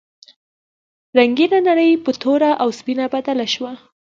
رنګینه نړۍ په توره او سپینه بدله شوه.